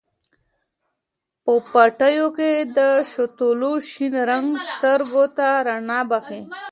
په پټیو کې د شوتلو شین رنګ سترګو ته رڼا بښي.